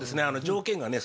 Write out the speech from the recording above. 条件がね